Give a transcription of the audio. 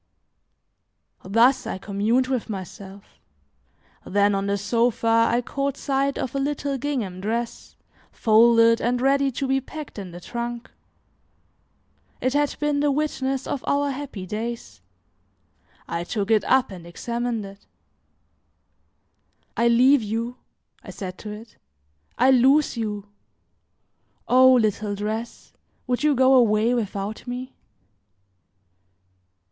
Thus, I communed with myself; then on the sofa I caught sight of a little gingham dress, folded and ready to be packed in the trunk. It had been the witness of our happy days. I took it up and examined it. "I leave you!" I said to it; "I lose you! O little dress, would you go away without me?"